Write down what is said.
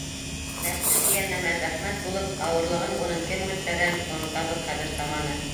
Нәфсе тигән нәмә зәхмәт булып Ауырлығын уның кем үлсәгән, Онотабыҙ хәҙер саманы.